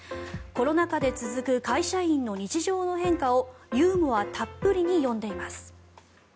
コロナ禍で続く会社員の日常の変化をユーモアたっぷりに詠んでいます。